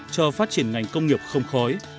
cho phát triển ngành công nghiệp không khói